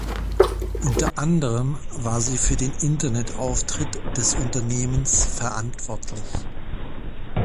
Unter anderem war sie für den Internetauftritt des Unternehmens verantwortlich.